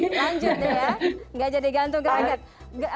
lanjut deh ya nggak jadi gantung gantung